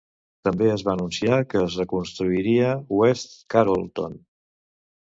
També es va anunciar que es reconstruiria West Carrollton.